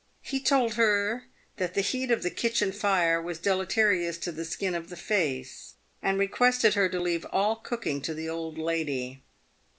He told her that the heat of the kitchen fire was deleterious to the skin of the face, and requested her to leave all the cooking to the old lady.